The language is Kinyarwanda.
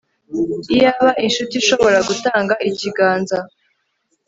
iyaba inshuti ishobora gutanga ikiganza